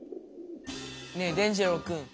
ねえ伝じろうくん。